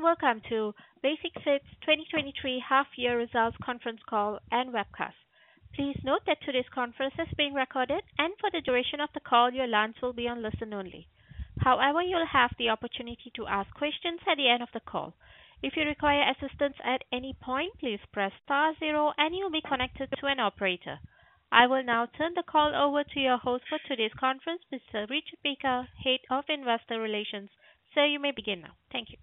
Welcome to Basic-Fit's 2023 half year results conference call and webcast. Please note that today's conference is being recorded, and for the duration of the call, your lines will be on listen-only. However, you'll have the opportunity to ask questions at the end of the call. If you require assistance at any point, please press star zero, and you'll be connected to an operator. I will now turn the call over to your host for today's conference, Mr. Richard Piekaar, Head of Investor Relations. Sir, you may begin now. Thank you.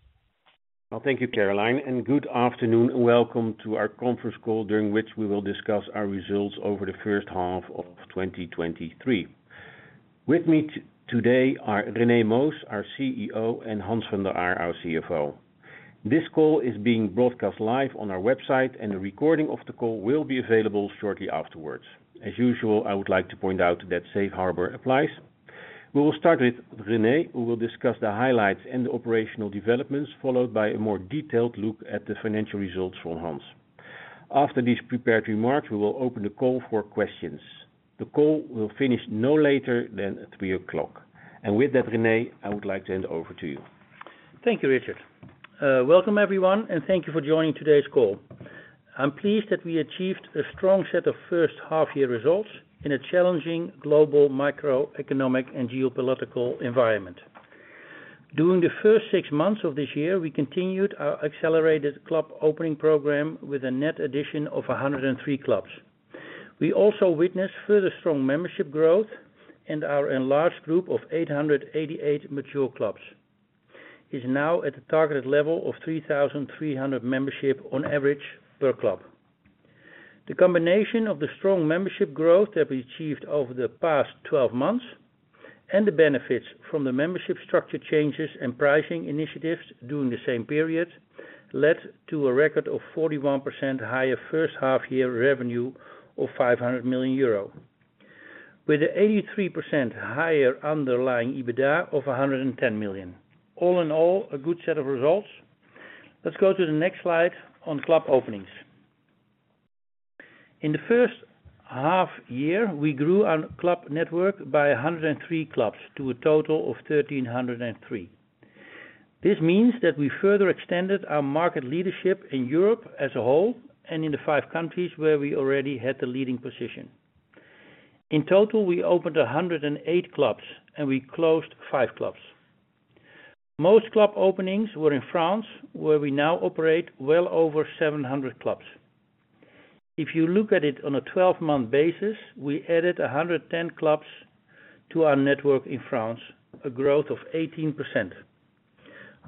Well, thank you, Caroline, and good afternoon. Welcome to our conference call, during which we will discuss our results over the first half of 2023. With me today are René Moos, our CEO, and Hans van der Aar, our CFO. This call is being broadcast live on our website, and a recording of the call will be available shortly afterwards. As usual, I would like to point out that safe harbor applies. We will start with René, who will discuss the highlights and the operational developments, followed by a more detailed look at the financial results from Hans. After these prepared remarks, we will open the call for questions. The call will finish no later than at 3:00. With that, René, I would like to hand over to you. Thank you, Richard. Welcome, everyone, and thank you for joining today's call. I'm pleased that we achieved a strong set of first half-year results in a challenging global microeconomic and geopolitical environment. During the first six months of this year, we continued our accelerated club opening program with a net addition of 103 clubs. We also witnessed further strong membership growth and our enlarged group of 888 mature clubs is now at the targeted level of 3,300 membership on average per club. The combination of the strong membership growth that we achieved over the past 12 months, and the benefits from the membership structure changes and pricing initiatives during the same period, led to a record of 41% higher first half year revenue of 500 million euro, with an 83% higher underlying EBITDA of 110 million. All in all, a good set of results. Let's go to the next slide on club openings. In the first half year, we grew our club network by 103 clubs to a total of 1,303. This means that we further extended our market leadership in Europe as a whole, and in the five countries where we already had the leading position. In total, we opened 108 clubs, and we closed five clubs. Most club openings were in France, where we now operate well over 700 clubs. If you look at it on a 12-month basis, we added 110 clubs to our network in France, a growth of 18%.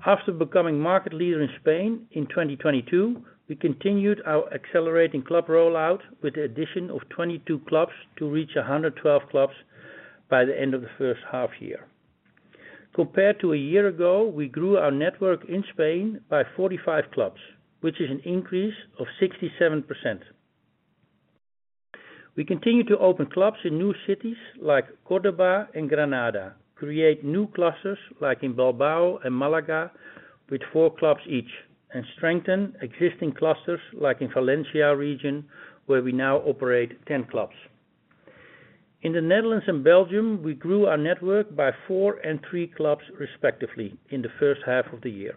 After becoming market leader in Spain in 2022, we continued our accelerating club rollout with the addition of 22 clubs to reach 112 clubs by the end of the first half year. Compared to a year ago, we grew our network in Spain by 45 clubs, which is an increase of 67%. We continue to open clubs in new cities like Córdoba and Granada, create new clusters, like in Bilbao and Malaga, with four clubs each, and strengthen existing clusters, like in Valencia region, where we now operate 10 clubs. In the Netherlands and Belgium, we grew our network by four and three clubs, respectively, in the first half of the year.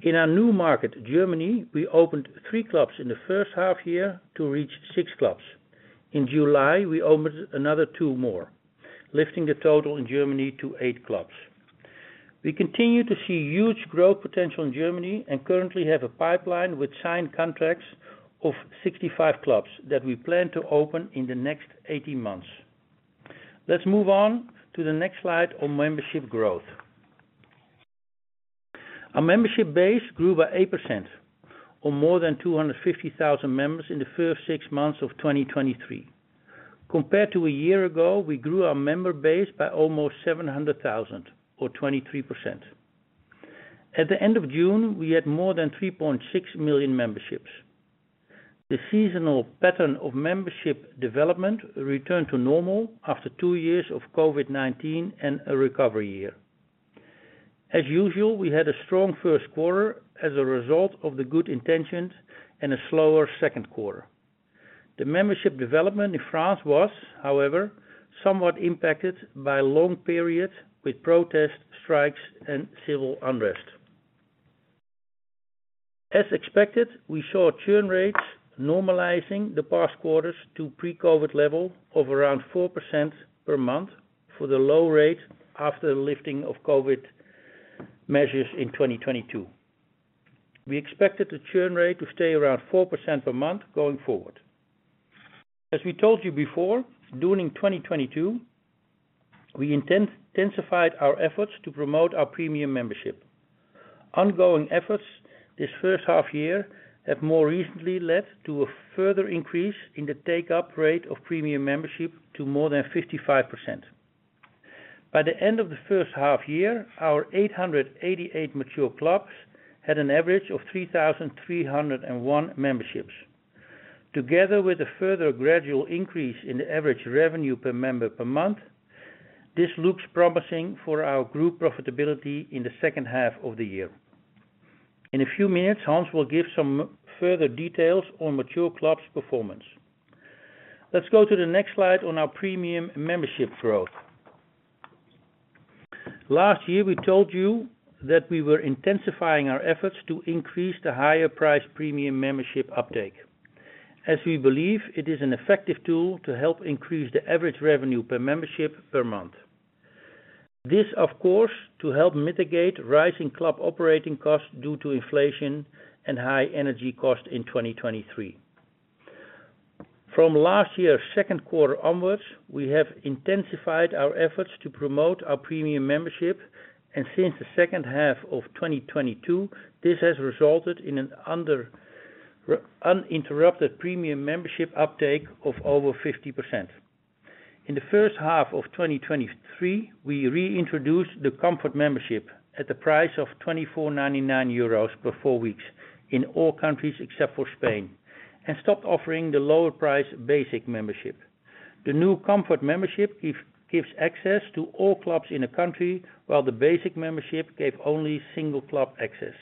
In our new market, Germany, we opened three clubs in the first half year to reach six clubs. In July, we opened another two more, lifting the total in Germany to eight clubs. We continue to see huge growth potential in Germany and currently have a pipeline with signed contracts of 65 clubs that we plan to open in the next 18 months. Let's move on to the next slide on membership growth. Our membership base grew by 8%, or more than 250,000 members in the first six months of 2023. Compared to a year ago, we grew our member base by almost 700,000, or 23%. At the end of June, we had more than 3.6 million memberships. The seasonal pattern of membership development returned to normal after two years of COVID-19 and a recovery year. As usual, we had a strong first quarter as a result of the good intentions and a slower second quarter. The membership development in France was, however, somewhat impacted by long periods with protests, strikes, and civil unrest. As expected, we saw churn rates normalizing the past quarters to pre-COVID level of around 4% per month for the low rate after the lifting of COVID measures in 2022. We expected the churn rate to stay around 4% per month going forward. As we told you before, during 2022, we intensified our efforts to promote our Premium membership. Ongoing efforts this first half year have more recently led to a further increase in the take-up rate of Premium membership to more than 55%. By the end of the first half year, our 888 mature clubs had an average of 3,301 memberships. Together with a further gradual increase in the average revenue per member per month, this looks promising for our group profitability in the second half of the year. In a few minutes, Hans will give some further details on mature clubs' performance. Let's go to the next slide on our Premium membership growth. Last year, we told you that we were intensifying our efforts to increase the higher price Premium membership uptake, as we believe it is an effective tool to help increase the average revenue per membership per month. This, of course, to help mitigate rising club operating costs due to inflation and high energy costs in 2023. From last year's second quarter onwards, we have intensified our efforts to promote our Premium membership, and since the second half of 2022, this has resulted in an uninterrupted Premium membership uptake of over 50%. In the first half of 2023, we reintroduced the Comfort membership at the price of 24.99 euros per four weeks in all countries except for Spain, and stopped offering the lower price Basic membership. The new Comfort membership gives access to all clubs in a country, while the Basic membership gave only single club access.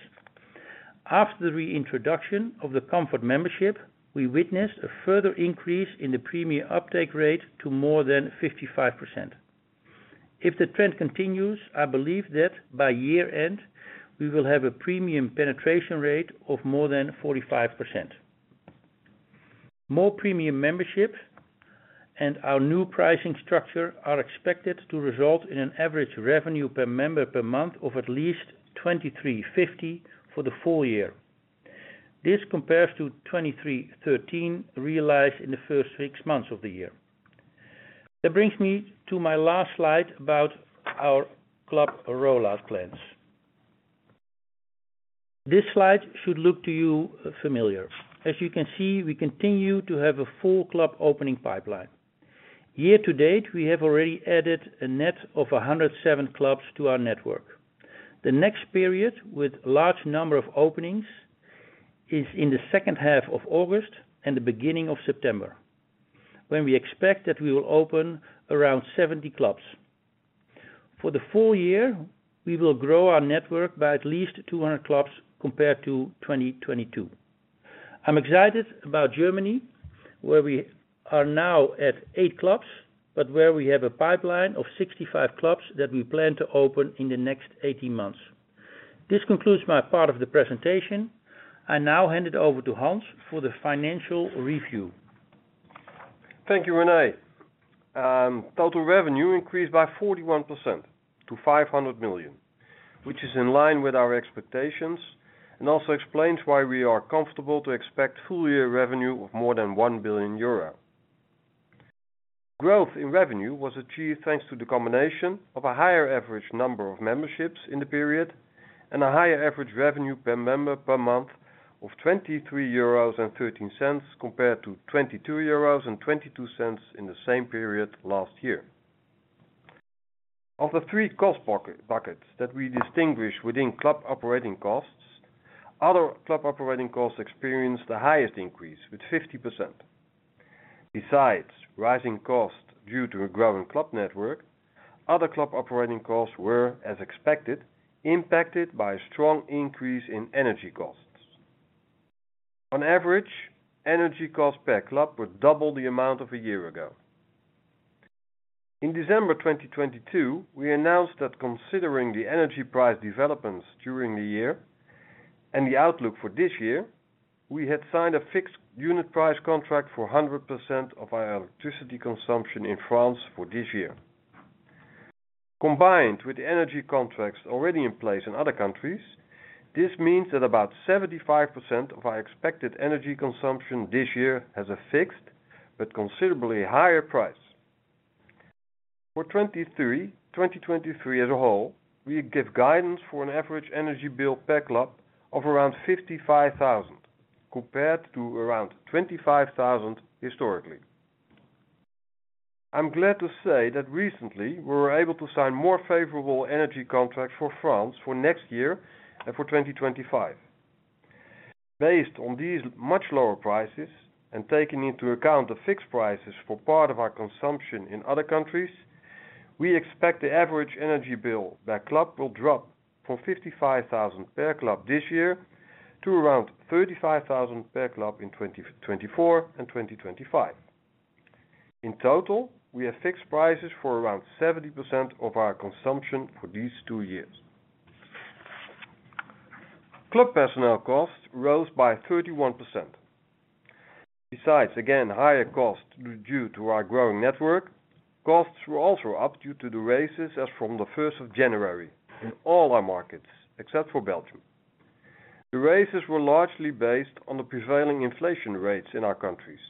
After the reintroduction of the Comfort membership, we witnessed a further increase in the Premium uptake rate to more than 55%. If the trend continues, I believe that by year-end, we will have a Premium penetration rate of more than 45%. More Premium memberships and our new pricing structure are expected to result in an average revenue per member per month of at least 23.50 for the full year. This compares to 23.13, realized in the first six months of the year. That brings me to my last slide about our club rollout plans. This slide should look to you familiar. As you can see, we continue to have a full club opening pipeline. Year to date, we have already added a net of 107 clubs to our network. The next period, with large number of openings, is in the second half of August and the beginning of September, when we expect that we will open around 70 clubs. For the full year, we will grow our network by at least 200 clubs compared to 2022. I'm excited about Germany, where we are now at eight clubs, but where we have a pipeline of 65 clubs that we plan to open in the next 18 months. This concludes my part of the presentation. I now hand it over to Hans for the financial review. Thank you, René. Total revenue increased by 41% to 500 million, which is in line with our expectations and also explains why we are comfortable to expect full year revenue of more than 1 billion euro. Growth in revenue was achieved thanks to the combination of a higher average number of memberships in the period and a higher average revenue per member per month of 23.13 euros, compared to 22.22 euros in the same period last year. Of the three cost buckets that we distinguish within club operating costs, other club operating costs experienced the highest increase with 50%. Besides rising costs due to a growing club network, other club operating costs were, as expected, impacted by a strong increase in energy costs. On average, energy costs per club were double the amount of a year ago. In December 2022, we announced that considering the energy price developments during the year and the outlook for this year, we had signed a fixed unit price contract for 100% of our electricity consumption in France for this year. Combined with energy contracts already in place in other countries, this means that about 75% of our expected energy consumption this year has a fixed but considerably higher price. For 2023 as a whole, we give guidance for an average energy bill per club of around 55,000, compared to around 25,000 historically. I'm glad to say that recently, we were able to sign more favorable energy contracts for France for next year and for 2025. Based on these much lower prices, and taking into account the fixed prices for part of our consumption in other countries, we expect the average energy bill by club will drop from 55,000 per club this year to around 35,000 per club in 2024 and 2025. In total, we have fixed prices for around 70% of our consumption for these two years. Club personnel costs rose by 31%. Besides, again, higher costs due to our growing network, costs were also up due to the raises as from the first of January in all our markets, except for Belgium. The raises were largely based on the prevailing inflation rates in our countries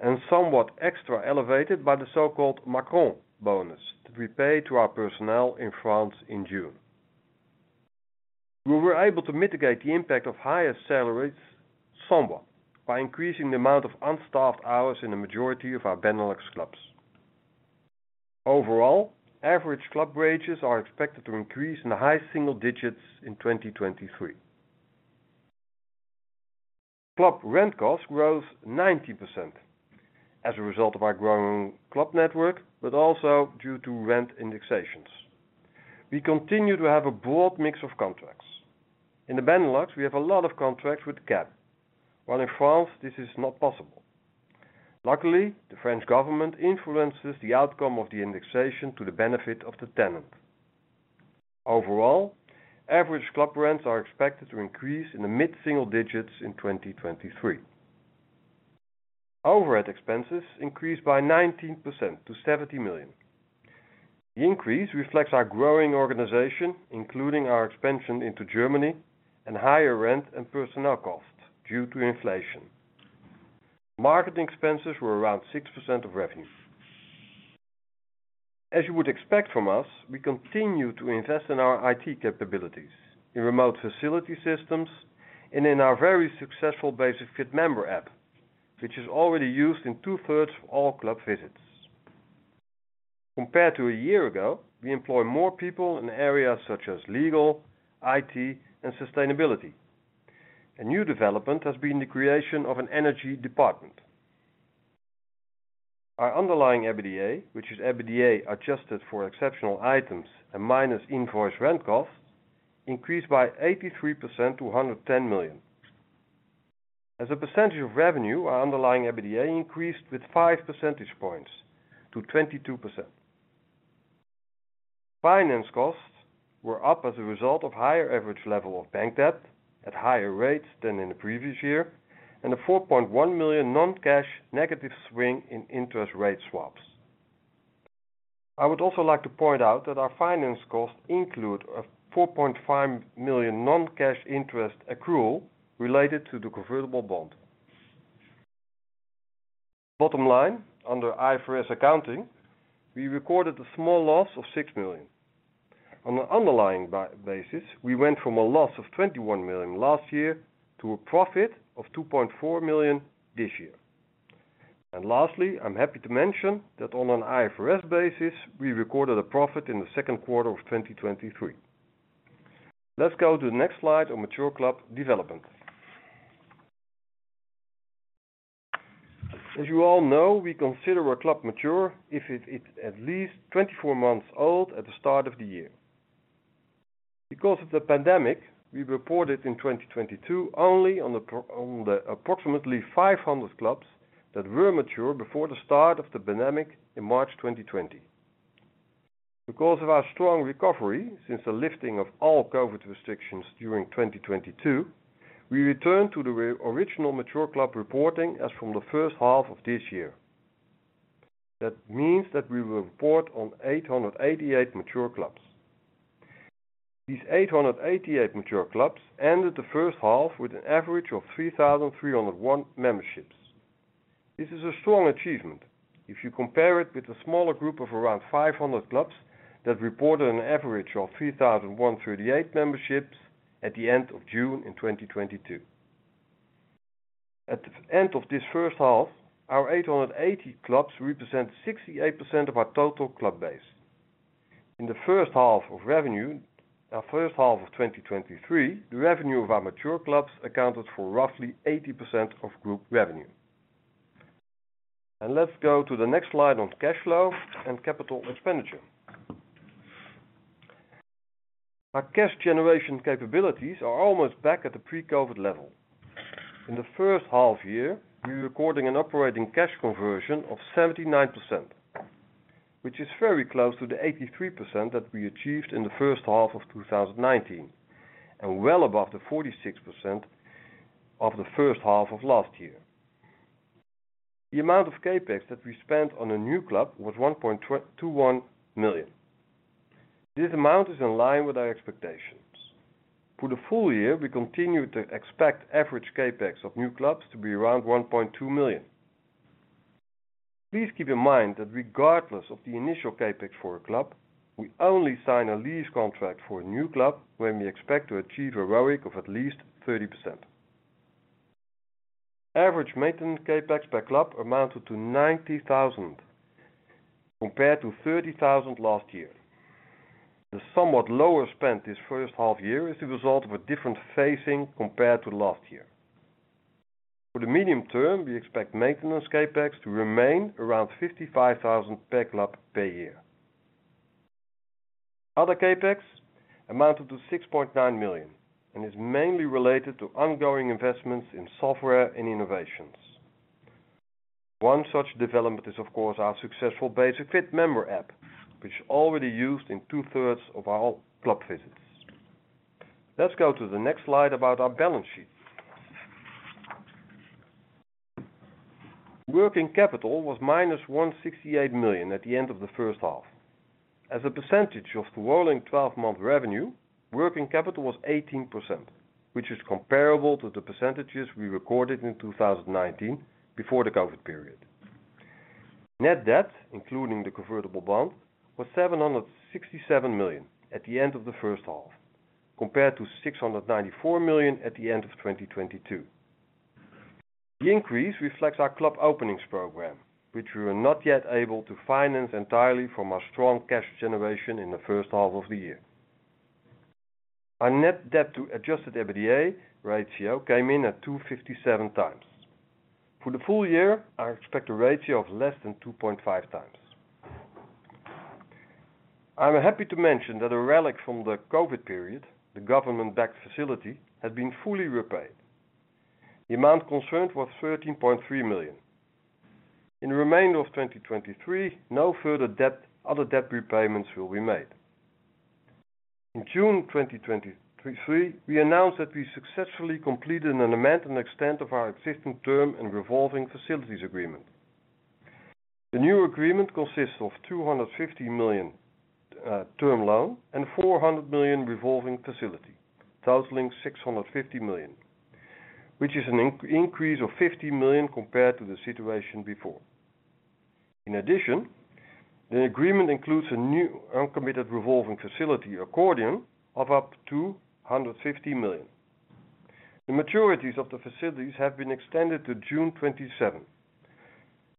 and somewhat extra elevated by the so-called Macron bonus that we paid to our personnel in France in June. We were able to mitigate the impact of higher salaries somewhat by increasing the amount of unstaffed hours in the majority of our Benelux clubs. Overall, average club wages are expected to increase in the high single digits in 2023. Club rent costs rose 90% as a result of our growing club network, also due to rent indexations. We continue to have a broad mix of contracts. In the Benelux, we have a lot of contracts with the cap, while in France, this is not possible. Luckily, the French government influences the outcome of the indexation to the benefit of the tenant. Overall, average club rents are expected to increase in the mid-single digits in 2023. Overhead expenses increased by 19% to 70 million. The increase reflects our growing organization, including our expansion into Germany and higher rent and personnel costs due to inflation. Marketing expenses were around 6% of revenue. As you would expect from us, we continue to invest in our IT capabilities, in remote facility systems, and in our very successful Basic-Fit member app, which is already used in two-thirds of all club visits. Compared to a year ago, we employ more people in areas such as legal, IT, and sustainability. A new development has been the creation of an energy department. Our underlying EBITDA, which is EBITDA, adjusted for exceptional items and minus invoice rent costs, increased by 83% to 110 million. As a percentage of revenue, our underlying EBITDA increased with 5 percentage points to 22%. Finance costs were up as a result of higher average level of bank debt at higher rates than in the previous year, and a 4.1 million non-cash negative swing in interest rate swaps. I would also like to point out that our finance costs include a 4.5 million non-cash interest accrual related to the convertible bond. Bottom line, under IFRS accounting, we recorded a small loss of 6 million. On an underlying basis, we went from a loss of 21 million last year to a profit of 2.4 million this year. Lastly, I'm happy to mention that on an IFRS basis, we recorded a profit in the second quarter of 2023. Let's go to the next slide on mature club development. As you all know, we consider a club mature if it is at least 24 months old at the start of the year. Because of the pandemic, we reported in 2022 only on the approximately 500 clubs that were mature before the start of the pandemic in March 2020. Because of our strong recovery, since the lifting of all COVID-19 restrictions during 2022, we returned to the original mature club reporting as from the first half of this year. That means that we will report on 888 mature clubs. These 888 mature clubs ended the first half with an average of 3,301 memberships. This is a strong achievement if you compare it with a smaller group of around 500 clubs that reported an average of 3,138 memberships at the end of June in 2022. At the end of this first half, our 880 clubs represent 68% of our total club base. In the first half of 2023, the revenue of our mature clubs accounted for roughly 80% of group revenue. Let's go to the next slide on cash flow and capital expenditure. Our cash generation capabilities are almost back at the pre-COVID level. In the first half year, we're recording an operating cash conversion of 79%, which is very close to the 83% that we achieved in the first half of 2019, and well above the 46% of the first half of last year. The amount of CapEx that we spent on a new club was 1.21 million. This amount is in line with our expectations. For the full year, we continue to expect average CapEx of new clubs to be around 1.2 million. Please keep in mind that regardless of the initial CapEx for a club, we only sign a lease contract for a new club when we expect to achieve a ROIC of at least 30%. Average maintenance CapEx per club amounted to 90,000, compared to 30,000 last year. The somewhat lower spend this first half year is the result of a different phasing compared to last year. For the medium term, we expect maintenance CapEx to remain around 55,000 per club per year. Other CapEx amounted to 6.9 million and is mainly related to ongoing investments in software and innovations. One such development is, of course, our successful Basic-Fit app, which is already used in two-thirds of our club visits. Let's go to the next slide about our balance sheet. Working capital was minus 168 million at the end of the first half. As a percentage of the rolling 12-month revenue, working capital was 18%, which is comparable to the percentages we recorded in 2019 before the COVID-19 period. Net debt, including the convertible bond, was 767 million at the end of the first half, compared to 694 million at the end of 2022. The increase reflects our club openings program, which we were not yet able to finance entirely from our strong cash generation in the first half of the year. Our net debt to adjusted EBITDA ratio came in at 2.57x. For the full year, I expect a ratio of less than 2.5x. I'm happy to mention that a relic from the COVID-19 period, the government-backed facility, has been fully repaid. The amount concerned was 13.3 million. In the remainder of 2023, no further other debt repayments will be made. In June 2023, we announced that we successfully completed an amount and extent of our existing term and revolving facilities agreement. The new agreement consists of 250 million term loan and 400 million revolving facility, totaling 650 million, which is an increase of 50 million compared to the situation before. In addition, the agreement includes a new uncommitted revolving facility, accordion, of up to 150 million. The maturities of the facilities have been extended to June 2027,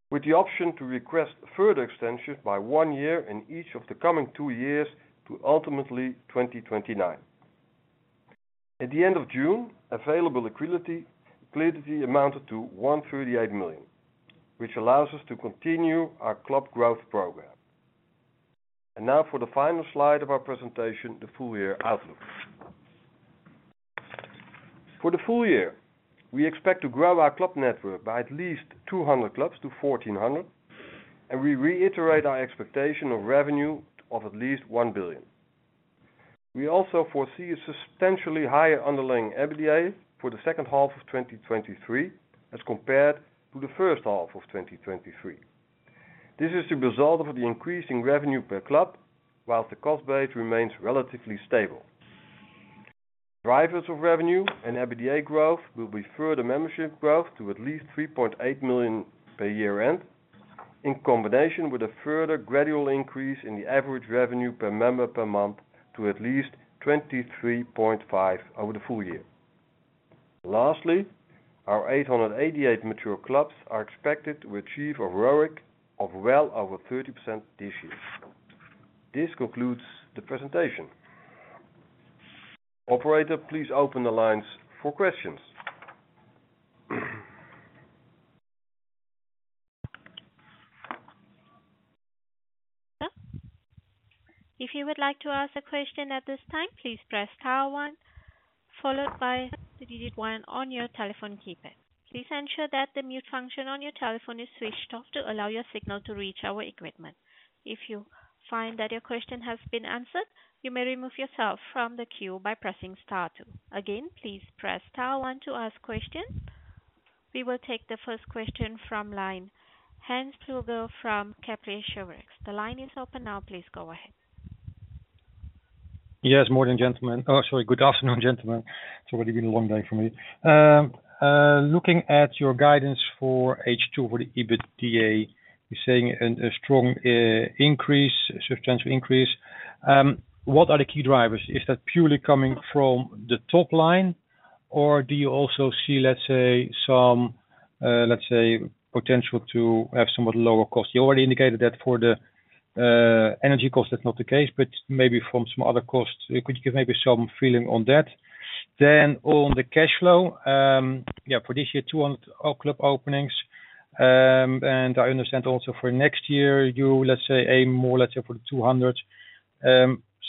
with the option to request further extension by one year in each of the coming two years to ultimately 2029. At the end of June, available liquidity amounted to 138 million, which allows us to continue our club growth program. Now for the final slide of our presentation, the full year outlook. For the full year, we expect to grow our club network by at least 200 clubs to 1,400, and we reiterate our expectation of revenue of at least 1 billion. We also foresee a substantially higher underlying EBITDA for the second half of 2023, as compared to the first half of 2023. This is the result of the increasing revenue per club, whilst the cost base remains relatively stable. Drivers of revenue and EBITDA growth will be further membership growth to at least 3.8 million per year end, in combination with a further gradual increase in the average revenue per member per month to at least 23.5 over the full year. Our 888 mature clubs are expected to achieve a ROIC of well over 30% this year. This concludes the presentation. Operator, please open the lines for questions. If you would like to ask a question at this time, please press star one, followed by the digit one on your telephone keypad. Please ensure that the mute function on your telephone is switched off to allow your signal to reach our equipment. If you find that your question has been answered, you may remove yourself from the queue by pressing star two. Again, please press star one to ask questions. We will take the first question from line, [Hans Pluijgers from Kepler Cheuvreux. The line is open now, please go ahead. Yes, morning, gentlemen. Oh, sorry. Good afternoon, gentlemen. It's already been a long day for me. Looking at your guidance for H2, for the EBITDA, you're saying a strong, substantial increase. What are the key drivers? Is that purely coming from the top line, or do you also see, let's say, some, let's say, potential to have somewhat lower costs? You already indicated that for the energy cost, that's not the case, but maybe from some other costs. Could you give maybe some feeling on that? On the cash flow, yeah, for this year, 200 club openings. I understand also for next year, you, let's say, aim more, let's say, for 200.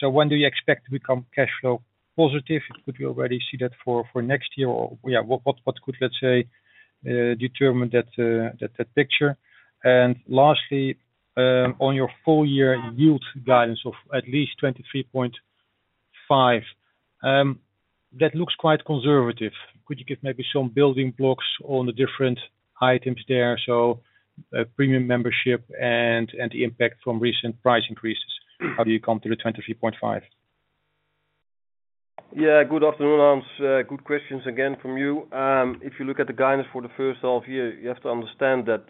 When do you expect to become cash flow positive? Could you already see that for next year? What could, let's say, determine that picture? Lastly, on your full year yield guidance of at least 23.5%, that looks quite conservative. Could you give maybe some building blocks on the different items there? Premium membership and the impact from recent price increases? How do you come to the 23.5%? Yeah, good afternoon, Hans. Good questions again from you. If you look at the guidance for the first half year, you have to understand that,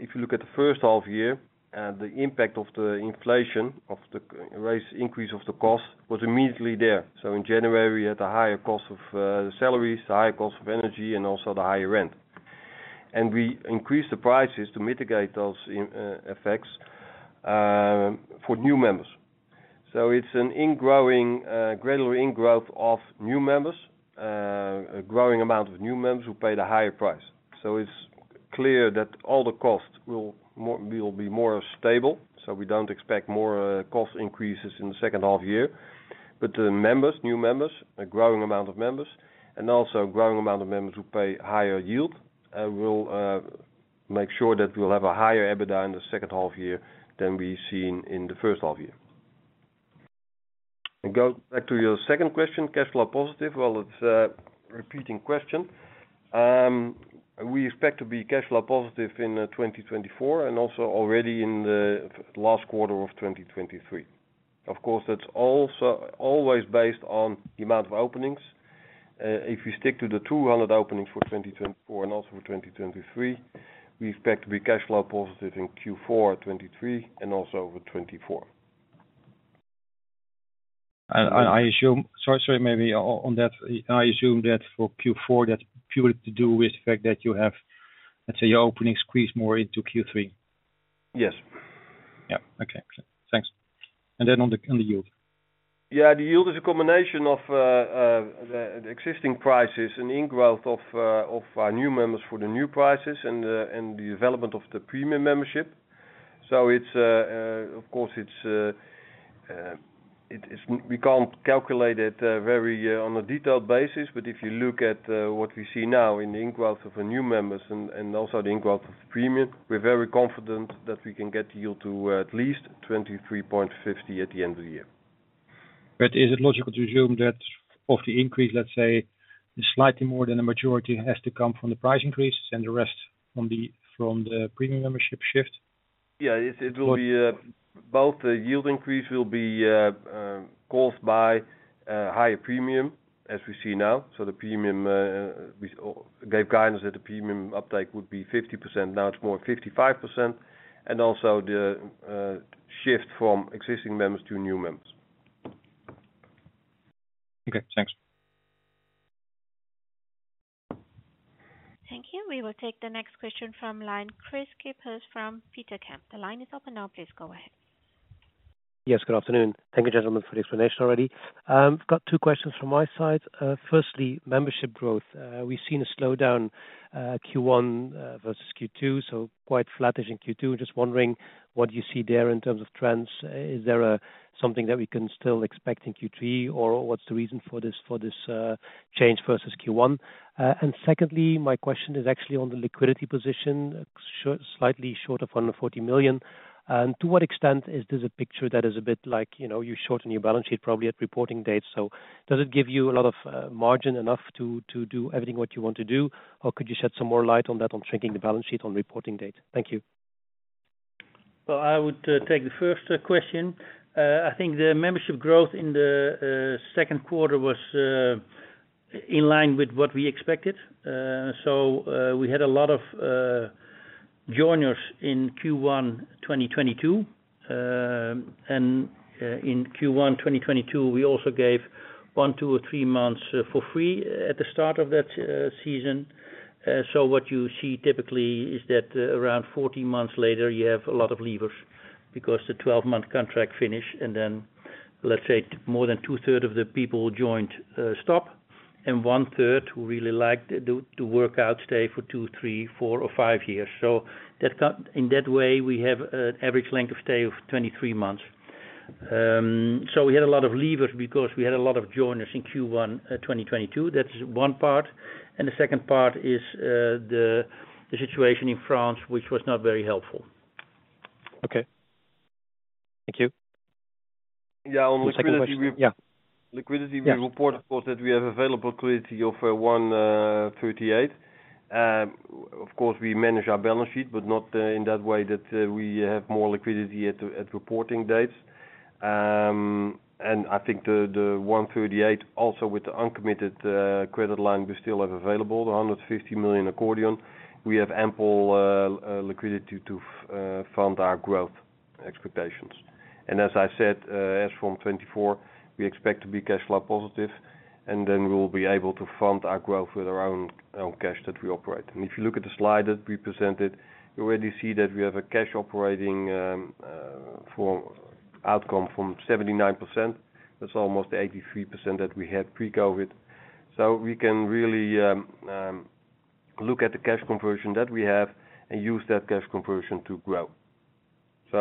if you look at the first half year, the impact of the inflation, of the raise, increase of the cost was immediately there. In January, we had a higher cost of the salaries, the higher cost of energy, and also the higher rent. We increased the prices to mitigate those effects for new members. It's an ingrowing, gradual ingrowth of new members, a growing amount of new members who pay the higher price. It's clear that all the costs will be more stable, so we don't expect more cost increases in the second half year. The members, new members, a growing amount of members, and also a growing amount of members who pay higher yield, will make sure that we'll have a higher EBITDA in the second half year than we've seen in the first half year. Go back to your second question, cash flow positive. Well, it's a repeating question. We expect to be cash flow positive in 2024 and also already in the last quarter of 2023. Of course, that's always based on the amount of openings. If you stick to the 200 openings for 2024 and also for 2023, we expect to be cash flow positive in Q4 2023 and also over 2024. Sorry, maybe on that, I assume that for Q4, that's purely to do with the fact that you have, let's say, your openings squeeze more into Q3. Yes. Yeah. Okay, thanks. On the yield? Yeah, the yield is a combination of the existing prices and in growth of new members for the new prices and the development of the Premium membership. Of course, it is, we can't calculate it very on a detailed basis, but if you look at what we see now in the in growth of the new members and also the in growth of the Premium, we're very confident that we can get the yield to at least 23.50 at the end of the year. Is it logical to assume that of the increase, let's say, slightly more than a majority, has to come from the Premium membership shift? Yeah, it will be, both the yield increase will be caused by higher Premium, as we see now. The Premium, we gave guidance that the Premium uptake would be 50%, now it's more 55%, and also the shift from existing members to new members. Okay, thanks. Thank you. We will take the next question from line, Kris Kippers from Petercam. The line is open now, please go ahead. Yes, good afternoon. Thank you, gentlemen, for the explanation already. I've got two questions from my side. Firstly, membership growth. We've seen a slowdown, Q1 versus Q2, so quite flattish in Q2. Just wondering, what do you see there in terms of trends? Is there something that we can still expect in Q3, or what's the reason for this change versus Q1? Secondly, my question is actually on the liquidity position, short, slightly shorter from the 40 million. To what extent is this a picture that is a bit like, you know, you shorten your balance sheet probably at reporting dates, so does it give you a lot of margin enough to do everything what you want to do, or could you shed some more light on that, on shrinking the balance sheet on reporting date? Thank you. Well, I would take the first question. I think the membership growth in the second quarter was in line with what we expected. We had a lot of joiners in Q1, 2022. And in Q1, 2022, we also gave one, two, or three months for free at the start of that season. What you see typically is that around 14 months later, you have a lot of leavers because the 12-month contract finish, and then, let's say, more than two-third of the people who joined stop, and one third who really like to work out, stay for two, three, four or five years. In that way, we have an average length of stay of 23 months. We had a lot of leavers because we had a lot of joiners in Q1 2022. That's one part. The second part is the situation in France, which was not very helpful. Okay. Thank you. Yeah, on the liquidity- we reported, of course, that we have available liquidity of 138. Of course, we manage our balance sheet, but not in that way that we have more liquidity at reporting dates. I think the 138, also with the uncommitted credit line, we still have available, the 150 million accordion. We have ample liquidity to fund our growth expectations. As I said, as from 2024, we expect to be cash flow positive, and then we will be able to fund our growth with our own cash that we operate. If you look at the slide that we presented, you already see that we have a cash operating for outcome from 79%. That's almost 83% that we had pre-COVID. We can really look at the cash conversion that we have and use that cash conversion to grow.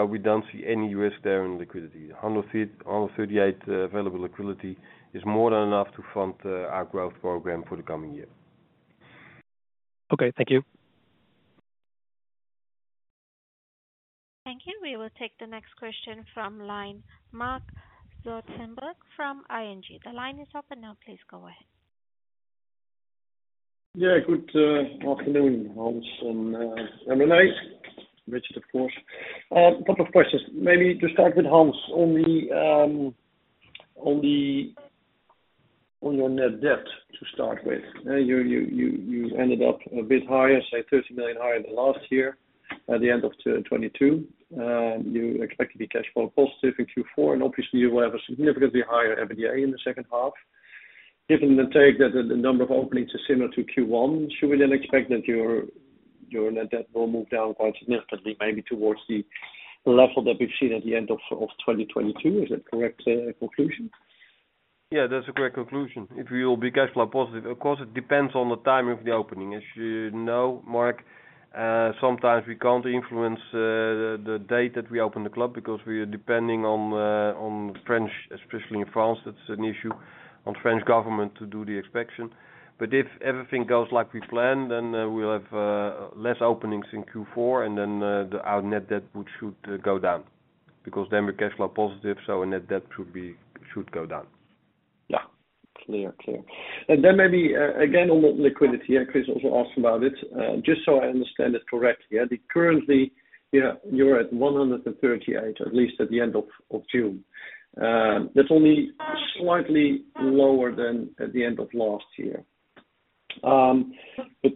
We don't see any risk there in liquidity. 138 million available liquidity is more than enough to fund our growth program for the coming year. Okay, thank you. Thank you. We will take the next question from line, Marc Zwartsenburg from ING. The line is open now, please go ahead. Good afternoon, Hans, and Emily, Richard, of course. A couple of questions. Maybe to start with Hans on the net debt, to start with. You ended up a bit higher, say 30 million higher than last year, at the end of 2022. You expect to be cash flow positive in Q4, obviously you will have a significantly higher EBITDA in the second half. Given the take that the number of openings is similar to Q1, should we then expect that your net debt will move down quite significantly, maybe towards the level that we've seen at the end of 2022? Is that correct conclusion? Yeah, that's a correct conclusion. If we will be cash flow positive, of course, it depends on the timing of the opening. As you know, Mark, sometimes we can't influence the date that we open the club because we are depending on French, especially in France, that's an issue, on French government to do the inspection. If everything goes like we planned, then, we'll have less openings in Q4, our net debt should go down. Then we're cash flow positive, our net debt should go down. Yeah. Clear. Clear. Maybe again, on the liquidity, Kris also asked about it. Just so I understand it correctly, currently, you're at 138, at least at the end of June. That's only slightly lower than at the end of last year.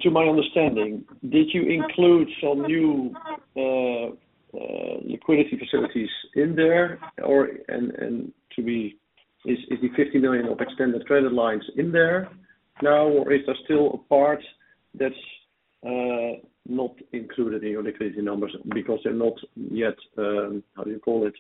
To my understanding, did you include some new liquidity facilities in there, or to be, is the 50 million of extended credit lines in there now, or is there still a part that's not included in your liquidity numbers because they're not yet, how do you call it?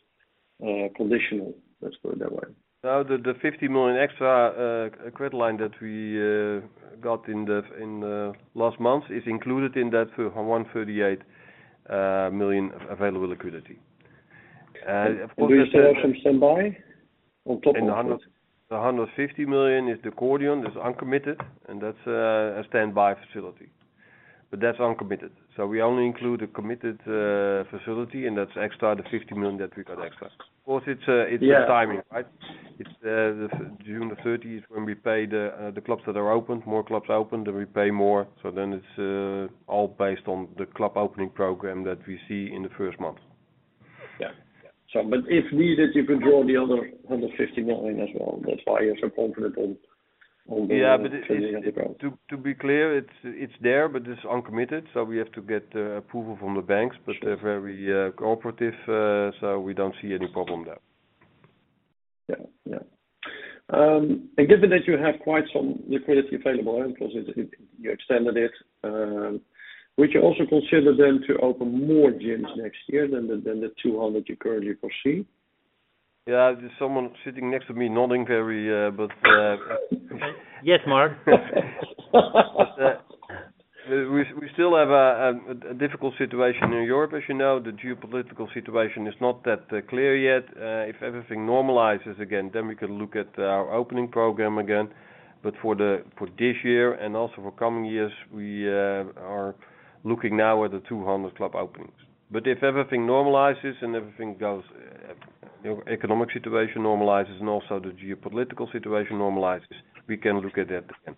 Conditional, let's put it that way. The 50 million extra credit line that we got in the last month is included in that 138 million available liquidity. Do you still have some standby on top of that? The 150 million is the accordion, that's uncommitted, and that's a standby facility. That's uncommitted, so we only include a committed facility, and that's extra, the 50 million that we got extra. Of course, it's timing, right? Yeah. It's the June the thirtieth when we pay the clubs that are opened. More clubs open, we pay more. It's all based on the club opening program that we see in the first month. Yeah. If needed, you can draw the other 150 million as well. That's why you're so confident on the. Yeah, to be clear, it's there, but it's uncommitted, so we have to get approval from the banks. They're very cooperative, we don't see any problem there. Yeah. Yeah. Given that you have quite some liquidity available, and plus, you extended it, would you also consider then to open more gyms next year than the 200 you currently foresee? Yeah, there's someone sitting next to me nodding very. Yes, Marc. We still have a difficult situation in Europe. As you know, the geopolitical situation is not that clear yet. If everything normalizes again, then we can look at our opening program again. For this year and also for coming years, we are looking now at the 200 club openings. If everything normalizes and everything goes, you know, economic situation normalizes and also the geopolitical situation normalizes, we can look at that again.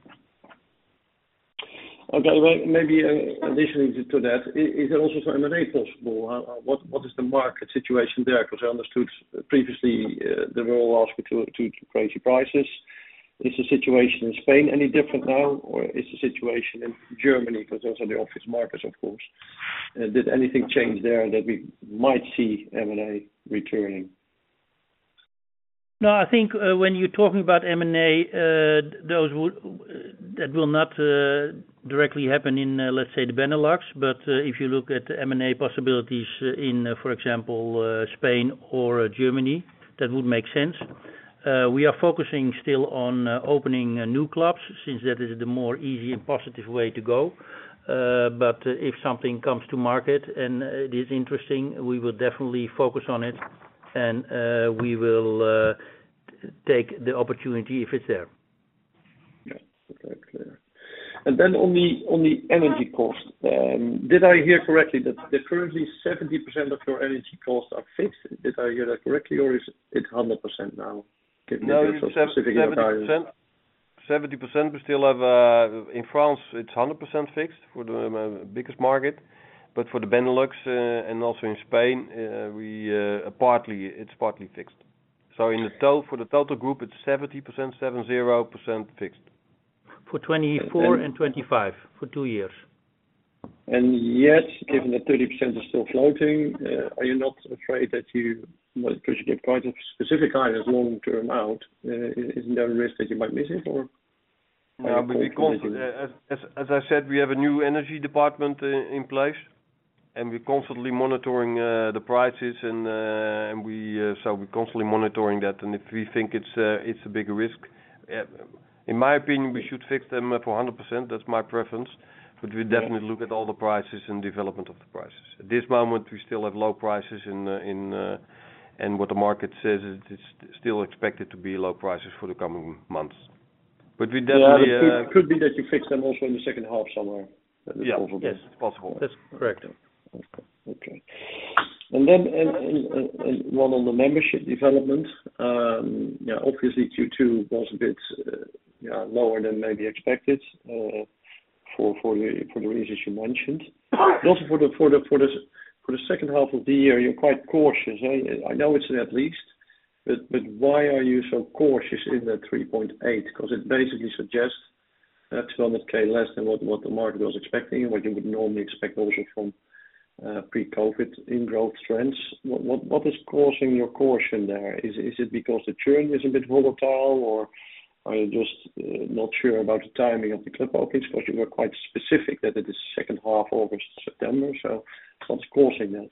Okay, well, maybe, additionally to that, is there also some M&A possible? What is the market situation there? Because I understood previously, they were all asking to crazy prices. Is the situation in Spain any different now, or is the situation in Germany, because those are the office markets, of course? Did anything change there that we might see M&A returning? I think, when you're talking about M&A, that will not directly happen in, let's say, the Benelux. If you look at the M&A possibilities in, for example, Spain or Germany, that would make sense. We are focusing still on opening new clubs, since that is the more easy and positive way to go. If something comes to market and it is interesting, we will definitely focus on it, and we will take the opportunity if it's there. Yeah. Okay, clear. On the, on the energy cost, did I hear correctly that currently 70% of your energy costs are fixed? Did I hear that correctly, or is it 100% now? No, it's 70%. 70%. We still have, in France, it's 100% fixed for the biggest market, but for the Benelux, and also in Spain, it's partly fixed. In the total, for the total group, it's 70% fixed. For 2024 and 2025, for two years. Given that 30% is still floating, are you not afraid that you might get quite a specific item long term out? Is there a risk that you might miss it, or? Yeah, As I said, we have a new energy department in place, and we're constantly monitoring the prices, so we're constantly monitoring that. If we think it's a big risk... In my opinion, we should fix them up to 100%. That's my preference. We definitely look at all the prices and development of the prices. At this moment, we still have low prices and what the market says, it's still expected to be low prices for the coming months. We definitely. Yeah, it could be that you fix them also in the second half somewhere. Yeah. Yes. It's possible. That's correct. Okay. Okay. One on the membership development, yeah, obviously, Q2 was a bit, yeah, lower than maybe expected, for the reasons you mentioned. For the second half of the year, you're quite cautious, eh? I know it's an at least, but why are you so cautious in that 3.8? Because it basically suggests that's 100K less than what the market was expecting and what you would normally expect also from pre-COVID in growth trends. What is causing your caution there? Is it because the churn is a bit volatile, or are you just not sure about the timing of the club openings? Because you were quite specific that it is second half, August, September, so what's causing that?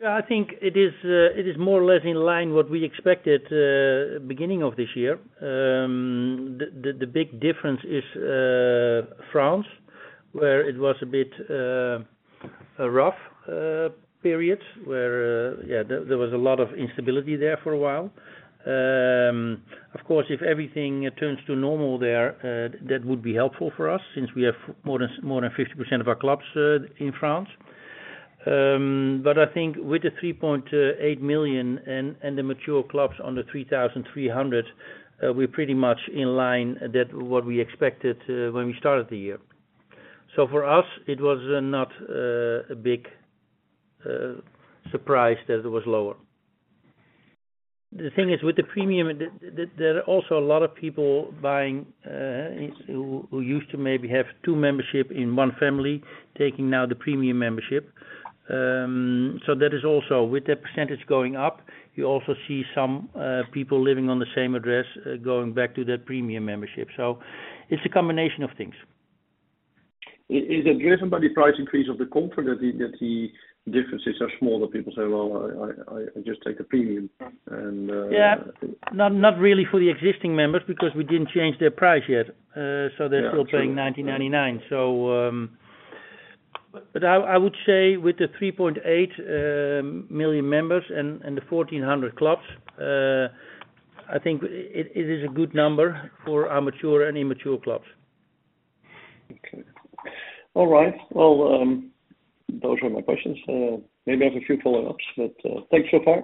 Yeah, I think it is more or less in line what we expected beginning of this year. The big difference is France, where it was a bit a rough period, where yeah, there was a lot of instability there for a while. Of course, if everything returns to normal there, that would be helpful for us, since we have more than 50% of our clubs in France. But I think with the 3.8 million and the mature clubs on the 3,300, we're pretty much in line that what we expected when we started the year. For us, it was not a big surprise that it was lower. The thing is, with the Premium membership, there are also a lot of people buying, who used to maybe have two membership in one family, taking now the Premium membership. That is also, with that percentage going up, you also see some people living on the same address, going back to their Premium membership. It's a combination of things. Is it driven by the price increase of the Comfort, that the differences are small, that people say, "Well, I just take the Premium?" And Yeah. Not really for the existing members, because we didn't change their price yet.still paying 19.99. I would say with the 3.8 million members and the 1,400 clubs, I think it is a good number for our mature and immature clubs. Okay. All right. Well, those were my questions. Maybe I have a few follow-ups, but, thanks so far.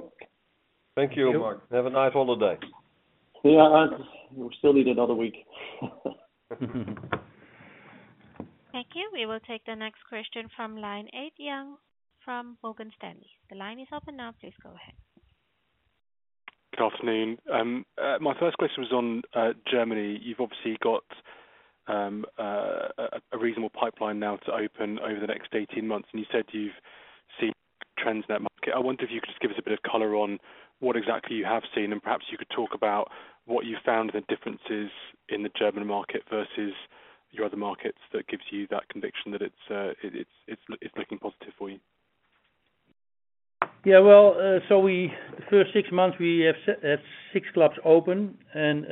Thank you, Mark. Have a nice holiday. Yeah, I, we still need another week. Thank you. We will take the next question from line, Ed Young from Morgan Stanley. The line is open now, please go ahead. Good afternoon. My first question was on Germany. You've obviously got a reasonable pipeline now to open over the next 18 months, and you said you've seen trends in that market. I wonder if you could just give us a bit of color on what exactly you have seen, and perhaps you could talk about what you found the differences in the German market versus your other markets, that gives you that conviction that it's looking positive for you. Well, we, the first six months we had six clubs open, and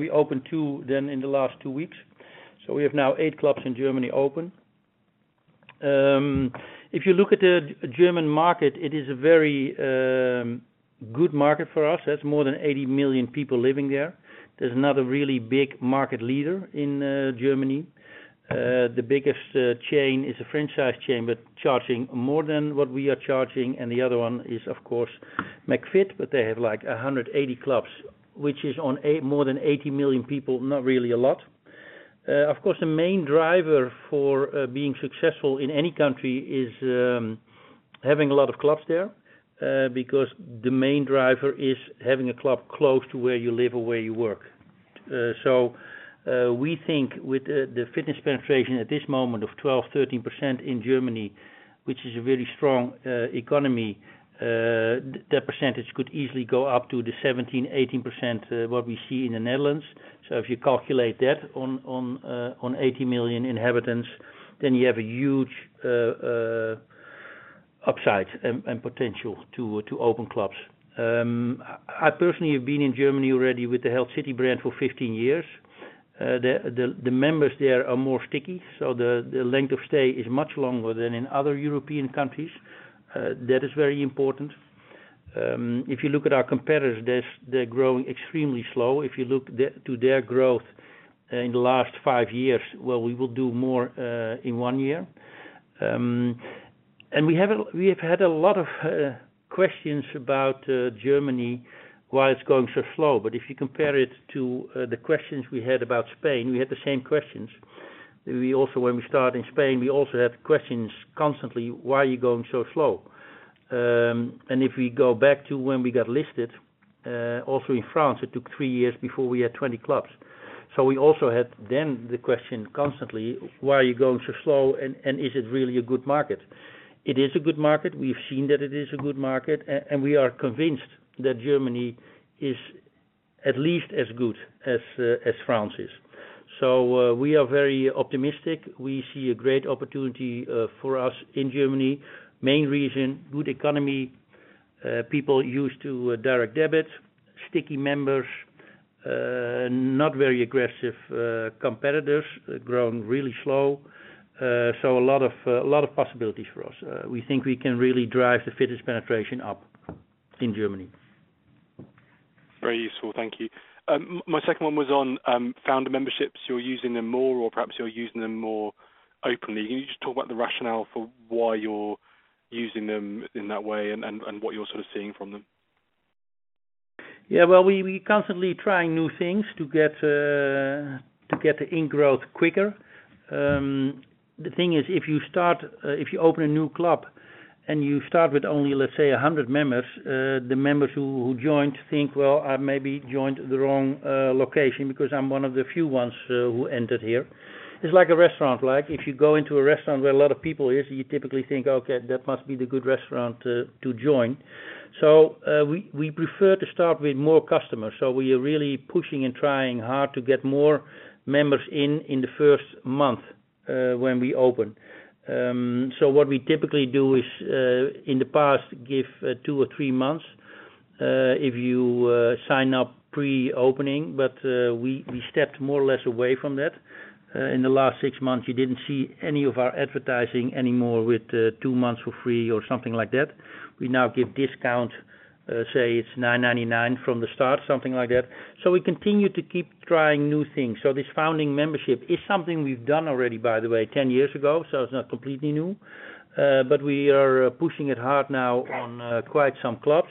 we opened two then in the last two weeks. We have now eight clubs in Germany open. If you look at the German market, it is a very good market for us. There's more than 80 million people living there. There's another really big market leader in Germany. The biggest chain is a franchise chain, but charging more than what we are charging, and the other one is, of course, McFit, but they have, like, 180 clubs, which is on eight, more than 80 million people, not really a lot. Of course, the main driver for being successful in any country is having a lot of clubs there, because the main driver is having a club close to where you live or where you work. We think with the fitness penetration at this moment of 12%, 13% in Germany, which is a very strong economy, that percentage could easily go up to the 17%, 18% what we see in the Netherlands. If you calculate that on 80 million inhabitants, then you have a huge upside and potential to open clubs. I personally have been in Germany already with the HealthCity brand for 15 years. The members there are more sticky, so the length of stay is much longer than in other European countries. That is very important. If you look at our competitors, they're growing extremely slow. If you look to their growth in the last five years, well, we will do more in one year. We have had a lot of questions about Germany, why it's going so slow. If you compare it to the questions we had about Spain, we had the same questions. We also, when we started in Spain, we also had questions constantly, "Why are you going so slow?" If we go back to when we got listed, also in France, it took three years before we had 20 clubs. We also had then the question constantly, "Why are you going so slow, and is it really a good market?" It is a good market. We've seen that it is a good market. And we are convinced that Germany is at least as good as France is. We are very optimistic. We see a great opportunity for us in Germany. Main reason, good economy, people used to direct debit, sticky members, not very aggressive competitors, growing really slow. A lot of possibilities for us. We think we can really drive the fitness penetration up in Germany. Very useful. Thank you. My second one was on founder memberships. You're using them more, or perhaps you're using them more openly. Can you just talk about the rationale for why you're using them in that way and, and what you're sort of seeing from them? Yeah, well, we constantly trying new things to get to get the in growth quicker. The thing is, if you open a new club and you start with only, let's say, 100 members, the members who joined think, "Well, I maybe joined the wrong location, because I'm one of the few ones who entered here." It's like a restaurant. Like, if you go into a restaurant where a lot of people are, you typically think, "Okay, that must be the good restaurant to join." We prefer to start with more customers, so we are really pushing and trying hard to get more members in the first month when we open. What we typically do is, in the past, give two or three months if you sign up pre-opening. We stepped more or less away from that. In the last six months, you didn't see any of our advertising anymore with two months for free or something like that. We now give discount, say, it's 9.99 from the start, something like that. We continue to keep trying new things. This founding membership is something we've done already, by the way, 10 years ago, so it's not completely new. We are pushing it hard now on quite some clubs.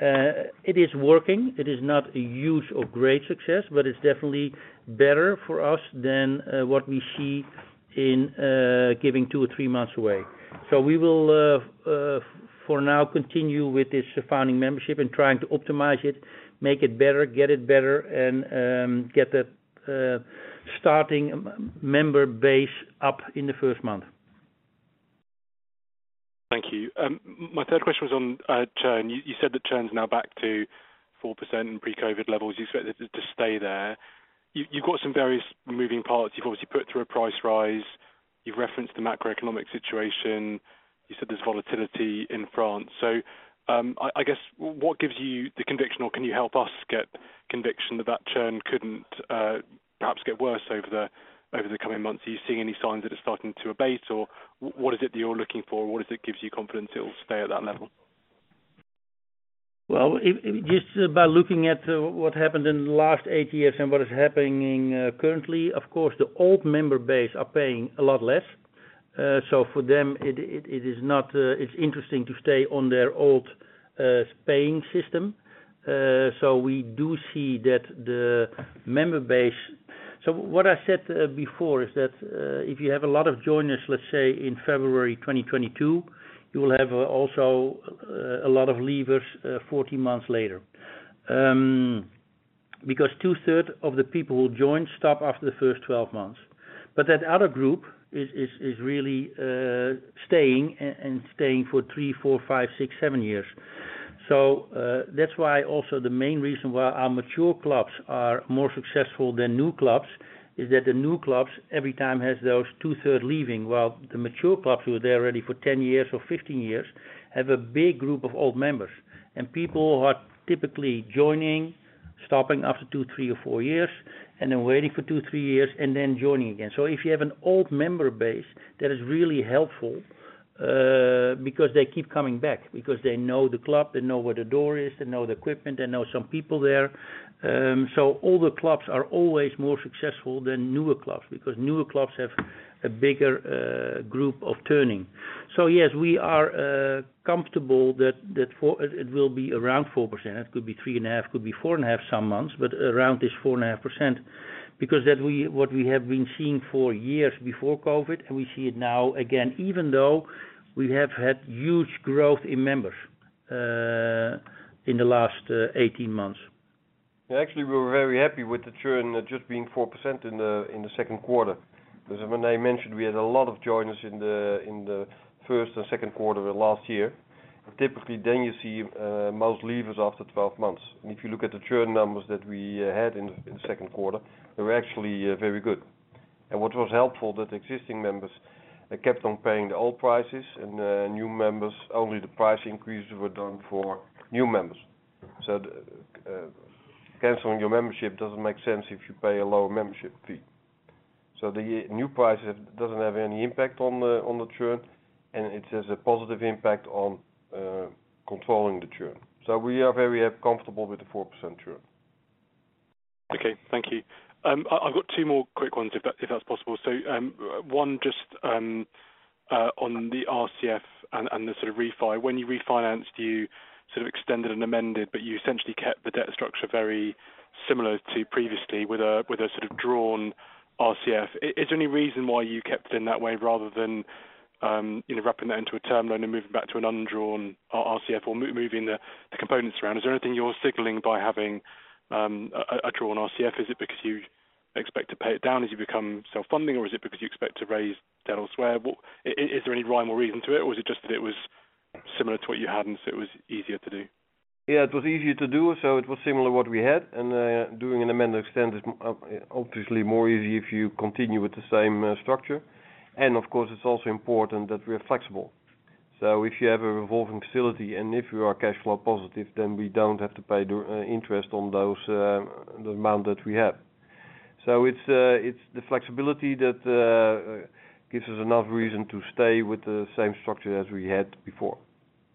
It is working. It is not a huge or great success, but it's definitely better for us than what we see in giving two or three months away. We will, for now, continue with this founding membership and trying to optimize it, make it better, get it better, and, get that starting member base up in the first month. Thank you. my third question was on churn. You said that churn is now back to 4% in pre-COVID levels. You expect it to stay there. You've got some various moving parts. You've obviously put through a price rise, you've referenced the macroeconomic situation, you said there's volatility in France. I guess what gives you the conviction, or can you help us get conviction that that churn couldn't perhaps get worse over the coming months? Are you seeing any signs that are starting to abate, or what is it that you're looking for, what is it gives you confidence it'll stay at that level? Just by looking at what happened in the last eight years and what is happening currently, of course, the old member base are paying a lot less. For them, it is not. It's interesting to stay on their old paying system. We do see that the member base. What I said before is that if you have a lot of joiners, let's say, in February 2022, you will have also a lot of leavers 14 months later. 2/3 of the people who join stop after the first 12 months. That other group is really staying and staying for three, four, five, six, seven years. That's why also the main reason why our mature clubs are more successful than new clubs, is that the new clubs, every time, has those 2/3 leaving, while the mature clubs who are there already for 10 years or 15 years, have a big group of old members. People are typically joining, stopping after two, three or four years, and then waiting for two, three years, and then joining again. If you have an old member base, that is really helpful, because they keep coming back, because they know the club, they know where the door is, they know the equipment, they know some people there. Older clubs are always more successful than newer clubs, because newer clubs have a bigger group of turning. Yes, we are comfortable that it will be around 4%. It could be 3.5, could be 4.5, some months, but around this 4.5%, because what we have been seeing for years before COVID-19, and we see it now again, even though we have had huge growth in members in the last 18 months. Actually, we're very happy with the churn just being 4% in the second quarter. As I mentioned, we had a lot of joiners in the first and second quarter of last year. Typically, you see most leavers after 12 months. If you look at the churn numbers that we had in the second quarter, they were actually very good. What was helpful, that existing members kept on paying the old prices, and new members, only the price increases were done for new members. Canceling your membership doesn't make sense if you pay a lower membership fee. The new prices doesn't have any impact on the churn, and it has a positive impact on controlling the churn. We are very comfortable with the 4% churn. Okay, thank you. I've got two more quick ones, if that's possible. One just on the RCF and the sort of refi. When you refinanced, you sort of extended and amended, but you essentially kept the debt structure very similar to previously, with a sort of drawn RCF. Is there any reason why you kept it in that way, rather than, you know, wrapping that into a term loan and moving back to an undrawn RCF or moving the components around? Is there anything you're signaling by having a drawn RCF? Is it because you expect to pay it down as you become self-funding, or is it because you expect to raise debt elsewhere? Is there any rhyme or reason to it, or is it just that it was similar to what you had, and so it was easier to do? It was easier to do, it was similar to what we had. Doing an amend and extend is obviously more easy if you continue with the same structure. Of course, it's also important that we are flexible. If you have a revolving facility, and if you are cash flow positive, then we don't have to pay the interest on those the amount that we have. It's the flexibility that gives us enough reason to stay with the same structure as we had before.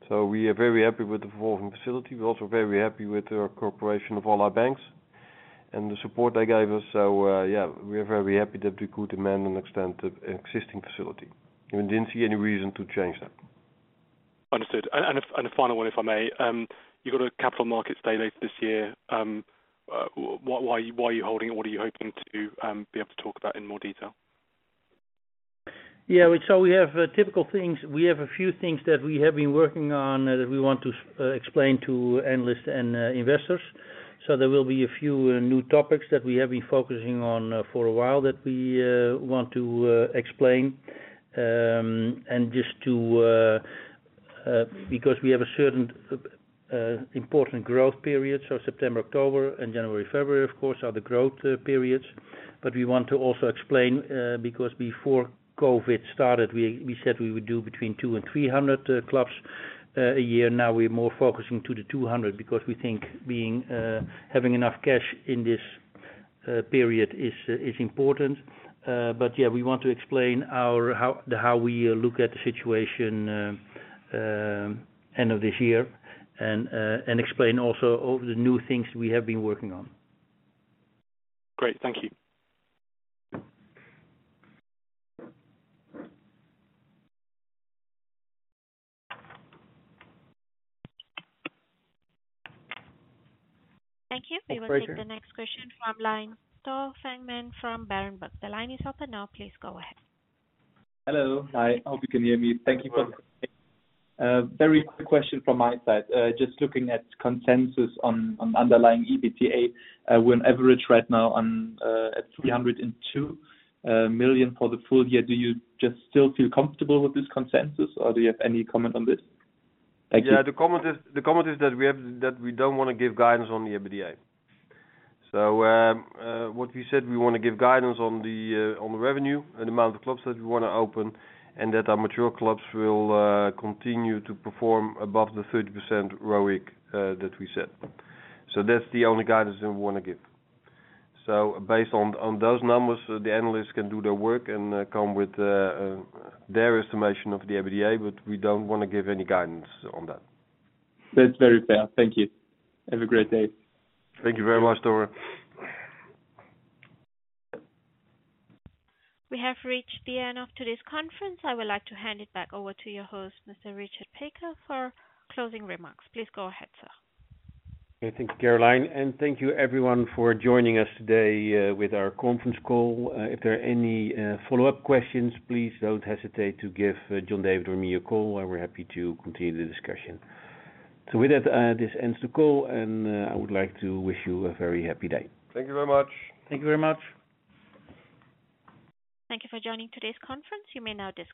We are very happy with the revolving facility. We're also very happy with the cooperation of all our banks and the support they gave us. We are very happy that we could amend and extend the existing facility. We didn't see any reason to change that. Understood. A final one, if I may. You've got a Capital Markets Day later this year. Why are you holding it? What are you hoping to be able to talk about in more detail? We have typical things. We have a few things that we have been working on, that we want to explain to analysts and investors. There will be a few new topics that we have been focusing on for a while, that we want to explain. Just to because we have a certain important growth period. September, October and January, February, of course, are the growth periods. We want to also explain because before COVID started, we said we would do between 200 and 300 clubs a year. Now, we're more focusing to the 200, because we think being having enough cash in this period is important. Yeah, we want to explain our, how we look at the situation, end of this year, and explain also all the new things we have been working on. Great. Thank you. Thank you. Thank you. We will take the next question from line, [Tuur Pluijgers] from Berenberg. The line is open now, please go ahead. Hello. Hi, hope you can hear me. Thank you. Welcome. Very quick question from my side. Just looking at consensus on underlying EBITDA, we're on average right now on, at 302 million for the full year. Do you just still feel comfortable with this consensus, or do you have any comment on this? Thank you. Yeah, the comment is that we don't want to give guidance on the EBITDA. What we said, we want to give guidance on the revenue and the amount of clubs that we want to open, and that our mature clubs will continue to perform above the 30% ROIC that we set. That's the only guidance that we want to give. Based on those numbers, the analysts can do their work and come with their estimation of the EBITDA, but we don't want to give any guidance on that. That's very fair. Thank you. Have a great day. Thank you very much, Thor. We have reached the end of today's conference. I would like to hand it back over to your host, Mr. Richard Piekaar, for closing remarks. Please go ahead, sir. Thank you, Caroline, and thank you everyone for joining us today, with our conference call. If there are any, follow-up questions, please don't hesitate to give, John David or me a call, and we're happy to continue the discussion. With that, this ends the call, and, I would like to wish you a very happy day. Thank you very much. Thank you very much. Thank you for joining today's conference. You may now disconnect.